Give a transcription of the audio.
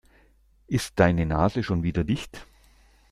Ist deine Nase schon wieder dicht?